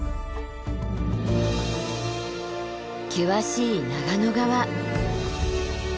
険しい長野側。